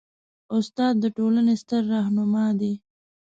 استاد د ټولنې ستر رهنما دی.